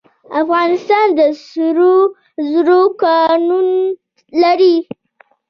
افغانستان د سرو زرو کانونه لري